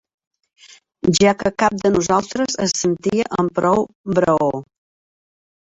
Ja que cap de nosaltres es sentia amb prou braó.